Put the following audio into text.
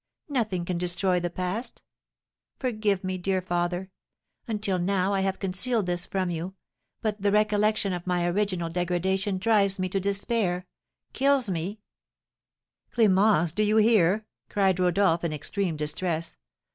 Nothing can destroy the past. Forgive me, dear father. Until now I have concealed this from you; but the recollection of my original degradation drives me to despair kills me " "Clémence, do you hear?" cried Rodolph, in extreme distress.